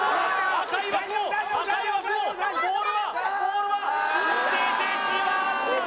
赤い枠を赤い枠をボールはボールは出てしまったー！